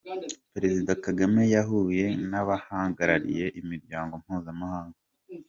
Perezida Kagame yahuye n’abahagarariye imiryango mpuzamahanga